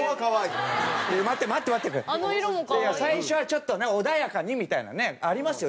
最初はちょっとね穏やかにみたいなねありますよ